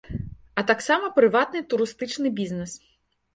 А таксама прыватны турыстычны бізнэс.